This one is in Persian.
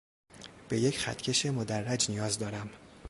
به یک خطکش مدرّج نیاز دارم